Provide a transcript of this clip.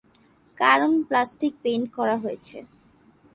কারণ plastic paint করা হয়েছে।